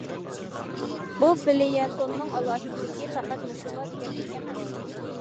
بۇ فېليەتوننىڭ ئالاھىدىلىكى پەقەت مۇشۇلا دېگەنلىك ئەمەس.